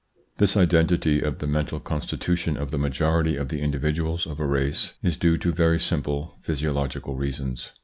This identity of the mental constitution of the majority of the individuals of a race is due to very simple physiological reasons.